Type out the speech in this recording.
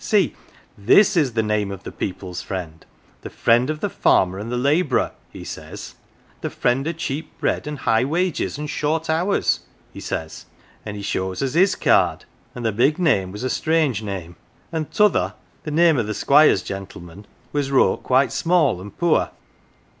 See, this is the name of the people's friend the friend of the farmer and the labourer/ he says. ' The friend o' cheap bread and high wages, and short hours,' he says, an' he shows us his card, an' the big name was a strange name, an' the t'other the name o' the Squire's gentleman was wrote quite small and poor.